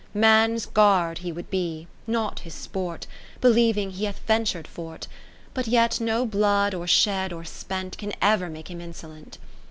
Man's guard he would be, not his sport. Believing he hath ventur'd for 't ; But yet no blood or shed or spent Can ever make him insolent.